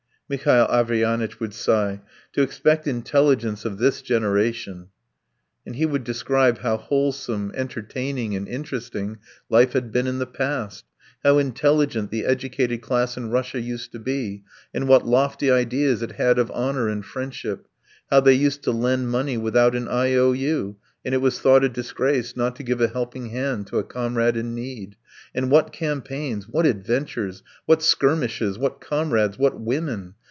Mihail Averyanitch would sigh. "To expect intelligence of this generation!" And he would describe how wholesome, entertaining, and interesting life had been in the past. How intelligent the educated class in Russia used to be, and what lofty ideas it had of honour and friendship; how they used to lend money without an IOU, and it was thought a disgrace not to give a helping hand to a comrade in need; and what campaigns, what adventures, what skirmishes, what comrades, what women!